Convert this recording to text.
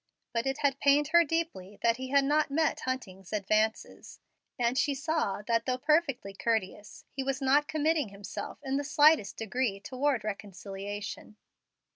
But it had pained her deeply that he had not met Hunting's advances; and she saw that, though perfectly courteous, he was not committing himself in the slightest degree toward reconciliation.